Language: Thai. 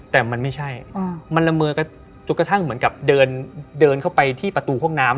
แต่มันไม่ใช่มันละเมอกันจนกระทั่งเหมือนกับเดินเข้าไปที่ประตูห้องน้ำ